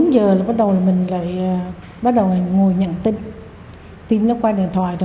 bốn giờ là bắt đầu mình lại ngồi nhận tin tin nó qua điện thoại